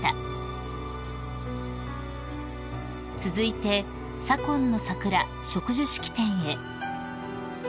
［続いて左近の桜植樹式典へ］